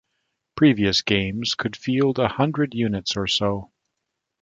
Previous games could field a hundred units or so.